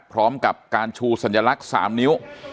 พร้อมกับการชูสัญลักษณ์๓นิ้ว